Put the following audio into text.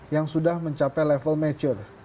yang sudah mencapai level mature